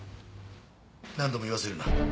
何度も言わせるな。